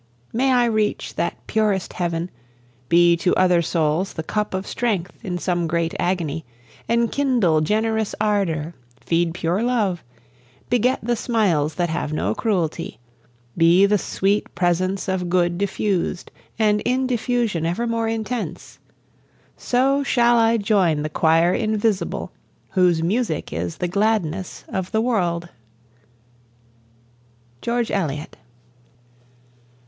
May I reach That purest heaven, be to other souls The cup of strength in some great agony, Enkindle generous ardour, feed pure love, Beget the smiles that have no cruelty, Be the sweet presence of good diffused, And in diffusion ever more intense! So shall I join the choir invisible, Whose music is the gladness of the world. GEORGE ELIOT.